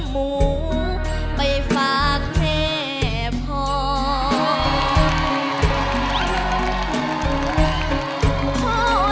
หากว่าเจ้ารับปาก